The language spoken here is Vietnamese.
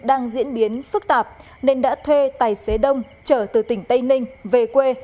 đang diễn biến phức tạp nên đã thuê tài xế đông trở từ tỉnh tây ninh về quê